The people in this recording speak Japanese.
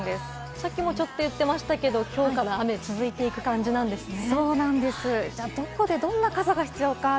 さっきもちょっと言ってましたけど、今日から雨が続いていく感じなんですね。